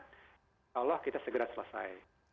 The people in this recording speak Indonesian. insya allah kita segera selesai